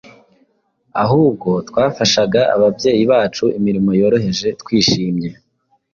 ahubwo twafashaga ababyeyi bacu imirimo yoroheje twishimye.